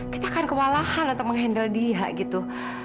kita kan kewalahan untuk mengendal dia gitu